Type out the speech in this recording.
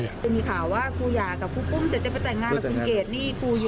มีข่าวว่าครูหย่ากับครูปุ้มเสร็จได้ประจายงานแล้วครูเกดนี่ครูอยู่ด้วย